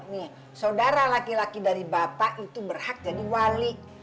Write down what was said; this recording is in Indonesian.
nih saudara laki laki dari bapak itu berhak jadi wali